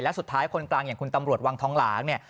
และสุดท้ายคนกลางอย่างคุณตำรวจวังทองหลางเนี่ย